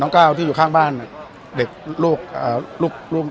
น้องเก้าที่อยู่ข้างบ้านน่ะเด็กลูกอ่าลูกลูก